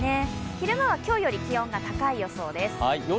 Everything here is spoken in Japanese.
昼間は今日より気温が高い予想です。